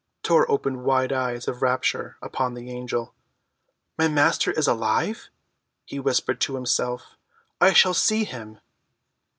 Tor opened wide eyes of rapture upon the angel. "My Master is alive!" he whispered to himself. "I shall see him."